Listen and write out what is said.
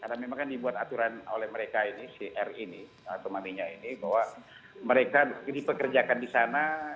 karena memang kan dibuat aturan oleh mereka ini si r ini temannya ini bahwa mereka dipekerjakan disana